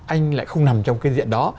anh lại không nằm trong cái diện đó